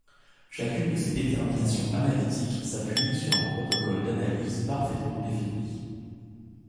Chacune de ces déterminations analytiques s’appuie sur un protocole d’analyse parfaitement défini.